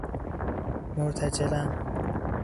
مرتجلا ً